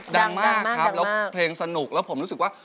ดังมากครับแล้วเพลงสนุกแล้วผมรู้สึกว่า